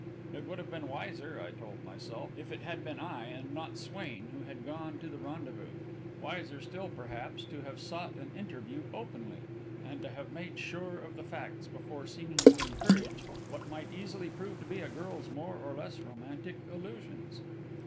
It would have been wiser, I told myself, if it had been I, and not Swain, who had gone to the rendezvous; wiser still, perhaps, to have sought an interview openly, and to have made sure of the facts before seeming to encourage what might easily prove to be a girl's more or less romantic illusions.